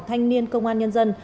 thanh niên công an nhân dân